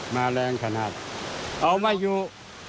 แรงขนาดเอามาอยู่